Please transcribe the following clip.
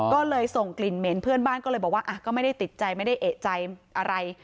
ก็เลยส่งกลิ่นเหม็นเพื่อนบ้านก็เลยบอกว่าก็ไม่ได้ติดใจไม่ได้เอกใจอะไร